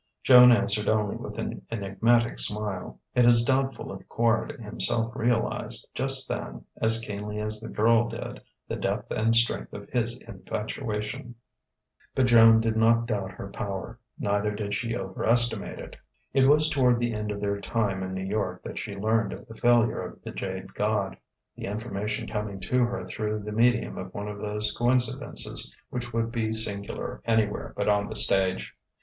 Joan answered only with an enigmatic smile. It is doubtful if Quard himself realized, just then, as keenly as the girl did, the depth and strength of his infatuation. But Joan did not doubt her power. Neither did she overestimate it. It was toward the end of their "time" in New York that she learned of the failure of "The Jade God," the information coming to her through the medium of one of those coincidences which would be singular anywhere but on the stage.